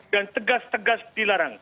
dan tegas tegas dilarang